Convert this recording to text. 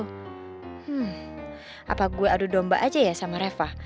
hmm apa gue adu domba aja ya sama reva